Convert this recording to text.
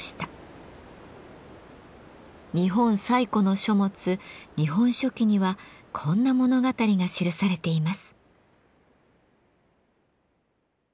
日本最古の書物「日本書紀」にはこんな物語が記されています。